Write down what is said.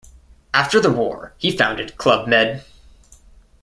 After the war, he founded Club Med.